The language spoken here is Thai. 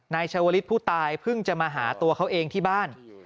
ชาวลิศผู้ตายเพิ่งจะมาหาตัวเขาเองที่บ้าน